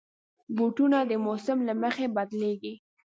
بوټونه د موسم له مخې بدلېږي.